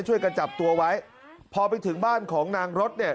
ช่วยกันจับตัวไว้พอไปถึงบ้านของนางรถเนี่ย